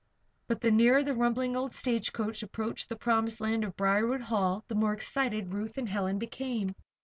But the nearer the rumbling old stagecoach approached the promised land of Briarwood Hall the more excited Ruth and Helen became.